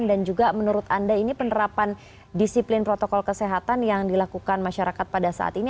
dan juga menurut anda ini penerapan disiplin protokol kesehatan yang dilakukan masyarakat pada saat ini